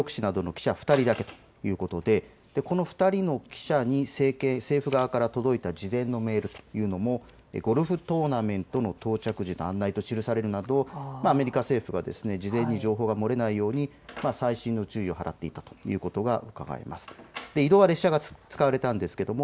メディア取材についても有力紙などの記者２人だけということでこの２人の記者に、政府側から届いた事前のメールというのもゴルフトーナメントの到着時の案内と記されるなどアメリカ政府は事前に情報が漏れないように細心の注意を払っていたということが言えるとうかがえます。